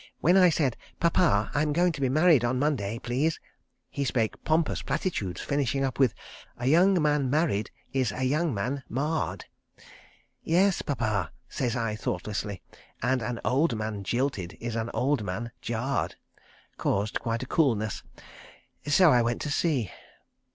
When I said, 'Pappa, I'm going to be married on Monday, please,' he spake pompous platitudes, finishing up with: 'A young man married is a young man marred.' ... 'Yes, Pappa,' says I thoughtlessly, 'and an old man jilted is an old man jarred.' ... Caused quite a coolness. So I went to sea."